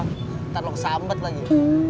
ntar lo kesambet lagi